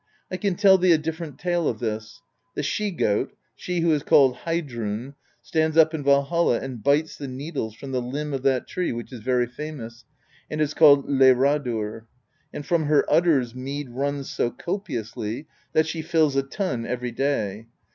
I can tell thee a difFerent tale of this. The she goat, she who is called Heidrun, stands up in Valhall and bites the needles from the limb of that tree which is very famous, and is called Laeradr; and from her udders mead runs so copiously, that she fills a tun every day.